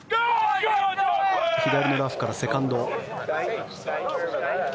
左のラフからセカンド。